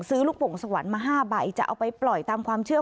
ลูกโป่งสวรรค์มา๕ใบจะเอาไปปล่อยตามความเชื่อ